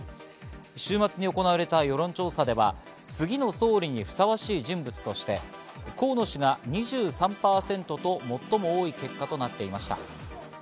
週末に行われた世論調査では次の総理にふさわしい人物として河野氏が２３％と最も多い結果となっていました。